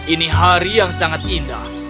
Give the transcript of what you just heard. ini hari yang sangat indah